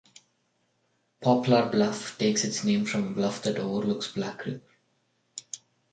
Poplar Bluff takes its name from a bluff that overlooks Black River.